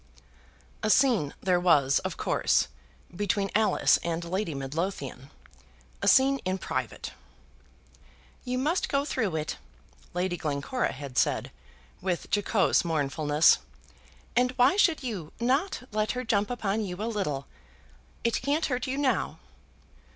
A scene there was, of course, between Alice and Lady Midlothian; a scene in private. "You must go through it," Lady Glencora had said, with jocose mournfulness; "and why should you not let her jump upon you a little? It can't hurt you now."